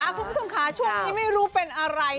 คุณผู้ชมค่ะช่วงนี้ไม่รู้เป็นอะไร